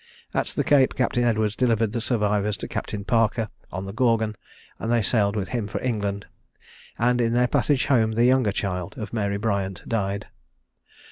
At the Cape, Captain Edwards delivered the survivors to Captain Parker, of the Gorgon, and they sailed with him for England; and in their passage home, the younger child of Mary Briant died.